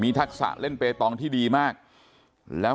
คุณยายบอกว่ารู้สึกเหมือนใครมายืนอยู่ข้างหลัง